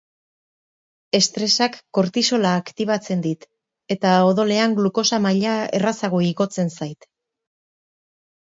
Estresak kortisola aktibatzen dit eta odolean glukosa maila errazago igotzen zait.